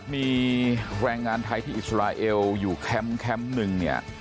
มีแรงงานไทยที่อิสราเอลอยู่แคมป์แคมป์หนึ่งเนี่ย